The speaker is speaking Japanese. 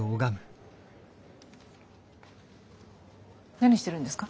何してるんですか？